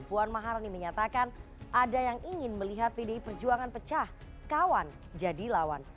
puan maharani menyatakan ada yang ingin melihat pdi perjuangan pecah kawan jadi lawan